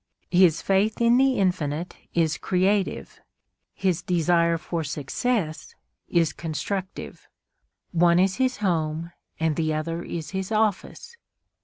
His faith in the Infinite is creative; his desire for success is constructive; one is his home, and the other is his office.